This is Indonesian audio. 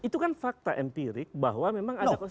itu kan fakta empirik bahwa memang ada